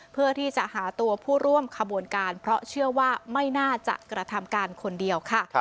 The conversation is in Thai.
เพื่อที่จะหาตัวผู้ร่วมขบวนการเพราะเชื่อว่าไม่น่าจะกระทำการคนเดียวค่ะ